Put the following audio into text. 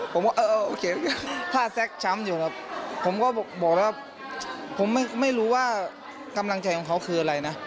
ผมว่าเออโอเคผ้าแซ็กช้ำอยู่ครับผมก็บอกแล้วผมไม่รู้ว่ากำลังใจของเขาคืออะไรนะ